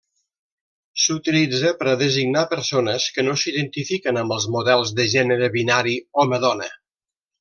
S'utilitza per a designar persones que no s'identifiquen amb els models de gènere binari home-dona.